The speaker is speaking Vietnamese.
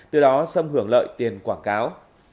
từ đó sâm hưởng lợi tiền quảng cáo